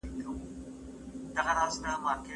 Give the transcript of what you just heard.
لیکل او خپاره کړي دي